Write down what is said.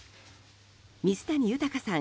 水谷豊さん